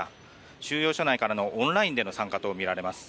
収容所内からのオンラインでの参加とみられます。